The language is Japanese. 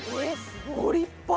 ご立派！